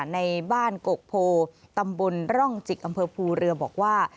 ในบ้านกกโพตำบลร่องจิกอำเภอภูเรือบอกว่า